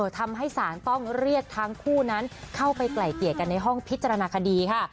ทำให้ศาลต้องเรียกทั้งคู่นั้นเข้าไปไกล่เกลี่ยกันในห้องพิจารณาคดีค่ะ